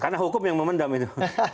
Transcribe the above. karena hukum yang memendam itu